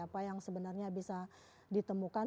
apa yang sebenarnya bisa ditemukan